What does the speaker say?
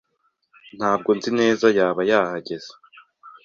Ntabwo nzi neza yaba yahageze.